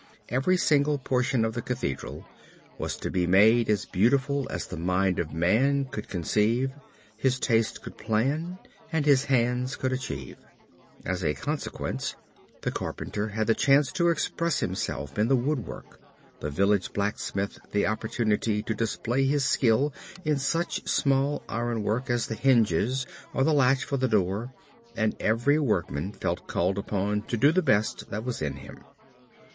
Every single portion of the Cathedral was to be made as beautiful as the mind of man could conceive, his taste could plan and his hands could achieve. As a consequence the carpenter had the chance to express himself in the woodwork, the village blacksmith the opportunity to display his skill in such small ironwork as the hinges or the latch for the door and every workman felt called upon to do the best that was in him.